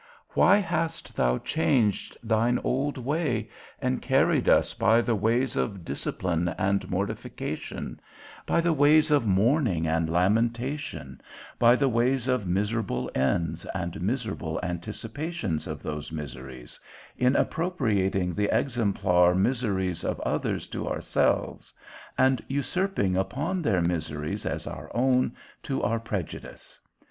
Why hast thou changed thine old way, and carried us by the ways of discipline and mortification, by the ways of mourning and lamentation, by the ways of miserable ends and miserable anticipations of those miseries, in appropriating the exemplar miseries of others to ourselves, and usurping upon their miseries as our own, to our prejudice?